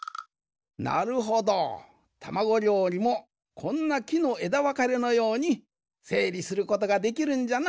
なるほどたまごりょうりもこんなきのえだわかれのようにせいりすることができるんじゃな。